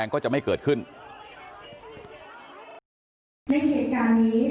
โคศกรรชาวันนี้ได้นำคลิปบอกว่าเป็นคลิปที่ทางตำรวจเอามาแถลงวันนี้นะครับ